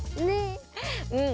うん。